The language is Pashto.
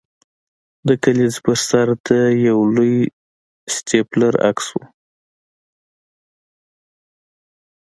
د کلیزې پر سر د یو لوی سټیپلر عکس و